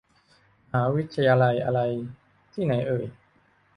มหาวิทยาลัยอะไร ที่ไหนเอ่ย